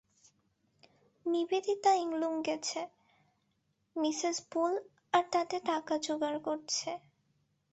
Nivedita England গেছে, Mrs Bull আর তাতে টাকা যোগাড় করছে।